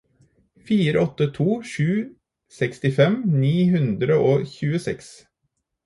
fire åtte to sju sekstifem ni hundre og tjueseks